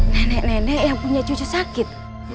nenek nenek yang punya cucu sakit